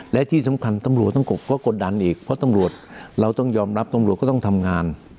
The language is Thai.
และที่สำคัญตำรวจต้องกบก็กดดันอีกเพราะตำรวจเราต้องยอมรับตำรวจก็ต้องทำงาน